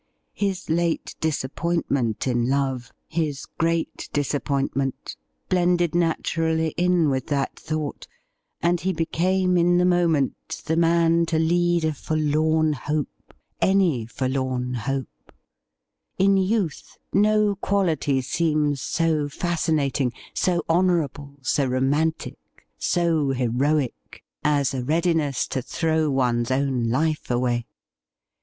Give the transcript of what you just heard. His late disappointment in love — his great disappointment — blended naturally in with that thought, and he became in the moment the man to lead a forlorn hope — any forlorn 'WILL YOU STAND IN WITH us?' 165 hope. In youth no quality seems so fascinating, so honour able, so romantic, so heroic, as a readiness to throw one's life away.